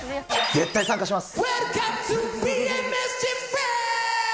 絶対参加します。